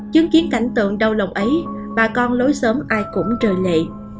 chứng kiến cảnh tượng đau lòng ấy bà con lối xóm ai cũng trời lệ